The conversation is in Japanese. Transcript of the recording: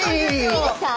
いいですか？